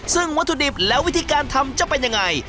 ซึ่งวัตถุดิบและวิธีการทำจะเป็นยังไง